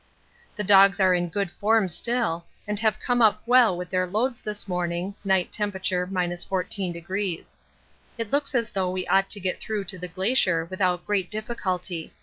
The dogs are in good form still, and came up well with their loads this morning (night temp. 14°). It looks as though we ought to get through to the Glacier without great difficulty.